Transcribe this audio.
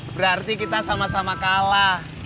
berarti kita sama sama kalah